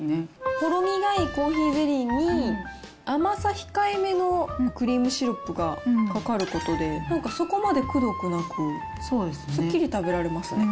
ほろ苦いコーヒーゼリーに、甘さ控えめのクリームシロップがかかることで、なんかそこまでくどくなく、すっきり食べられますね。